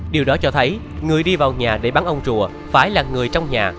điều đó cho thấy người đi vào nhà để bắn ông rùa phải là người trong nhà